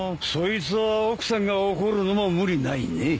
そいつは奥さんが怒るのも無理ないね。